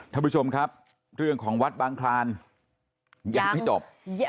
ท่านผู้ชมครับเรื่องของวัดบางคลานยังไม่จบ